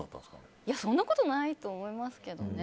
そんなことないと思いますけどね。